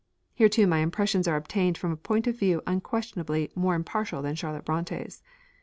Here too my impressions are obtained from a point of view unquestionably more impartial than Charlotte Brontë's.